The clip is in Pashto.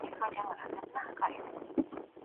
اقتصادي پلانونه د متخصصینو لخوا چمتو کیږي.